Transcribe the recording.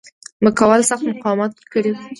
ځمکوالو سخت مقاومت کړی وای.